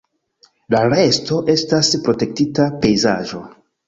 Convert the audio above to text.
La resto estas protektita pejzaĝo.